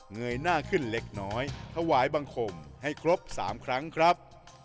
เยยหน้าขึ้นเล็กน้อยถวายบังคมให้ครบ๓ครั้งครับ